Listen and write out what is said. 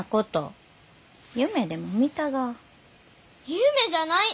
夢じゃない！